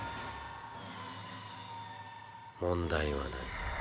問題はない。